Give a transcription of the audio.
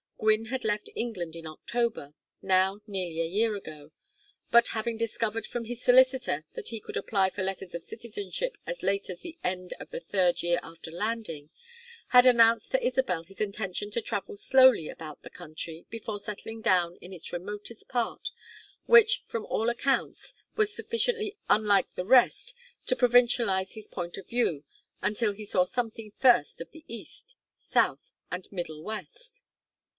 Gwynne had left England in October, now nearly a year ago, but, having discovered from his solicitor that he could apply for letters of citizenship as late as the end of the third year after landing, had announced to Isabel his intention to travel slowly about the country "before settling down in its remotest part, which, from all accounts, was sufficiently unlike the rest to provincialize his point of view unless he saw something first of the East, South, and Middle West."